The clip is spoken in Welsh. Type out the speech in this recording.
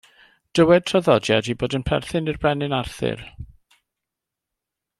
Dywed traddodiad ei bod yn perthyn i'r Brenin Arthur.